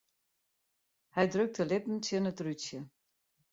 Hy drukt de lippen tsjin it rútsje.